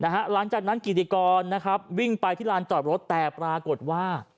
หลังจากนั้นกิติกรนะครับวิ่งไปที่ลานจอดรถแต่ปรากฏว่า